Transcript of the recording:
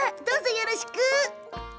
どうぞよろしく！